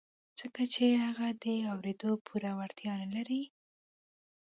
ځکه چې هغه د اورېدو پوره وړتيا نه لري.